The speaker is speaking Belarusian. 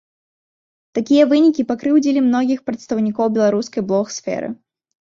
Такія вынікі пакрыўдзілі многіх прадстаўнікоў беларускай блог-сферы.